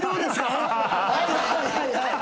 はいはいはいはい。